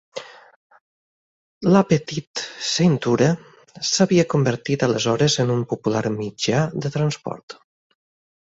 La Petite Ceinture s'havia convertit aleshores en un popular mitjà de transport.